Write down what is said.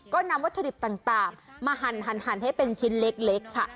ก็นำวัตถุดิบต่างต่างมาหันหันหันให้เป็นชิ้นเล็กเล็กค่ะ